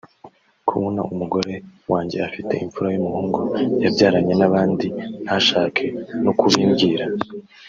Kubona umugore wanjye afite imfura y’umuhungu yabyaranye n’abandi ntashake no kubimbwira